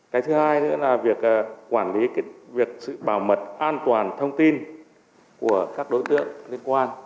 cái thứ hai nữa là việc quản lý việc sự bảo mật an toàn thông tin của các đối tượng liên quan